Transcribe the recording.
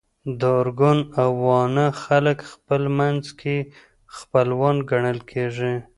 د ارګون او واڼه خلک خپل منځ کي خپلوان ګڼل کيږي